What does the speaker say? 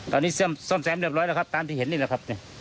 ตอนนี้ซ่อมแซมเรียบร้อยแล้วครับตามที่เห็นนี่แหละครับ